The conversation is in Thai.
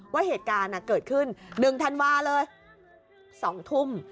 ว่าเหตุการณ์เกิดขึ้น๑ธันวาเลย๒ทุ่ม